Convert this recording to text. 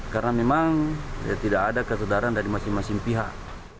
karena memang tidak ada kesedaran dari masing masing pihak